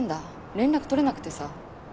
連絡取れなくてさ。